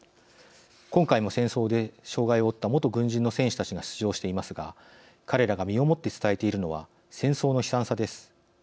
今回も戦争で障害を負った元軍人の選手たちが出場していますが彼らが身をもって伝えているのは戦争の悲惨さです。